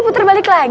puter balik ya